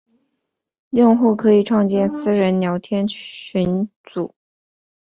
用户可以创建私人聊天群组。